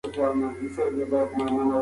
که اوبه کمې وي، بدن یې ساتي.